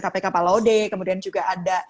kpk palaude kemudian juga ada